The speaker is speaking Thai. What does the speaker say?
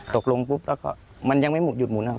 ตกลงปุ๊บแล้วก็มันยังไม่หยุดหมุนนะครับ